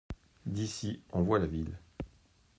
D’ici on voit la ville.